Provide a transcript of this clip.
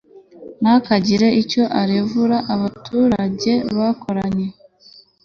ntakagire icyo arevura abaturage bakoranye